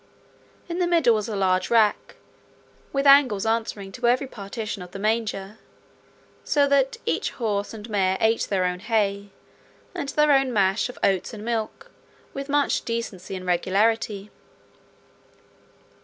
In the middle was a large rack, with angles answering to every partition of the manger; so that each horse and mare ate their own hay, and their own mash of oats and milk, with much decency and regularity.